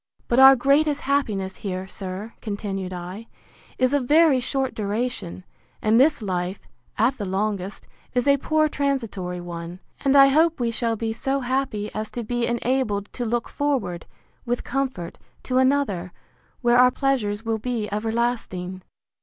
But our greatest happiness here, sir, continued I, is of very short duration; and this life, at the longest, is a poor transitory one; and I hope we shall be so happy as to be enabled to look forward, with comfort, to another, where our pleasures will be everlasting.